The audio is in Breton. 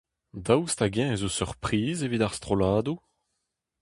Daoust hag-eñ ez eus ur priz evit ar strolladoù ?